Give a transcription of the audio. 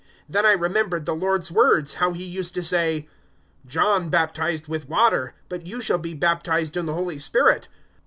011:016 Then I remembered the Lord's words, how He used to say, "`John baptized with water, but you shall be baptized in the Holy Spirit.'